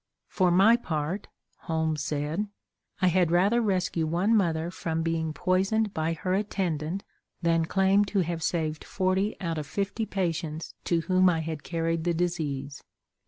"For my part," Holmes said, "I had rather rescue one mother from being poisoned by her attendant than claim to have saved forty out of fifty patients to whom I had carried the disease."